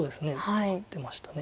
戦ってましたね。